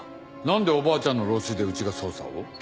何でおばあちゃんの老衰でうちが捜査を？